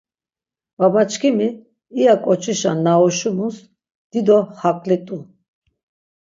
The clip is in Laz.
Babaçkimi iya koç̆işa na oşumus dido xakli t̆u.